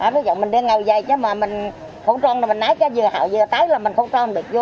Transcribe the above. ví dụ mình đi ngầu dây chứ mà mình không trông là mình lái cái dừa hạo dừa tái là mình không trông được vô